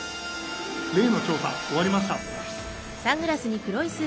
例の調査終わりました。